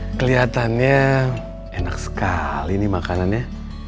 jen kelihatannya enak sekali nih makanannya